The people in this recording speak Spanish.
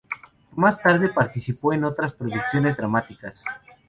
Más tarde participó en otras producciones dramáticas.